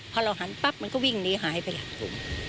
พอเราหันปั๊บมันก็วิ่งหนีหายไปแหละ